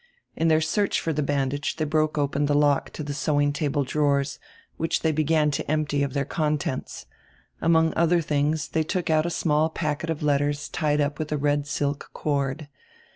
In their search for the bandage they broke open the lock to the sewing table drawers, which they began to empty of their contents. Among other tilings they t«)k out a small pack age of letters tied up with a red silk cord.